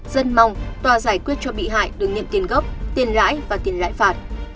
dân mong tòa giải quyết cho bị hại được nhận tiền gốc tiền lãi và tiền lãi phạt